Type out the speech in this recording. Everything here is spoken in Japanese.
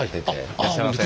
いらっしゃいませ。